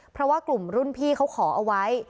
เพราะว่ากลุ่มรุ่นพี่เขาขอเอาไว้